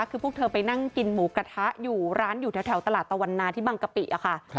คือพวกเธอไปนั่งกินหมูกระทะอยู่ร้านอยู่แถวตลาดตะวันนาที่บางกะปิค่ะ